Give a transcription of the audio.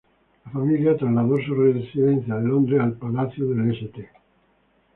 La familia trasladó su residencia de Londres del Palacio del St.